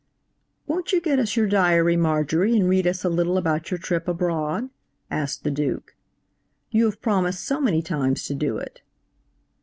"Won't you get us your diary, Marjorie, and read us a little about your trip abroad?" asked the Duke. "You have promised so many times to do it."